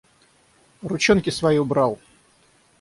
Ручонки свои убрал!